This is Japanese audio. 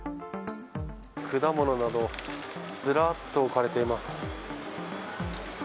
果物などずらーっと置かれています。